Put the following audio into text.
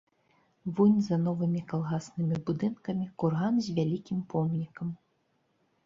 Вунь за новымі калгаснымі будынкамі курган з вялікім помнікам.